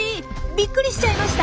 びっくりしちゃいました？